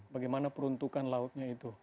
bagaimana peruntukan lautnya itu